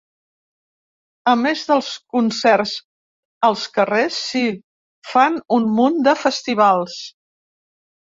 A més dels concerts als carrers, s’hi fan un munt de festivals.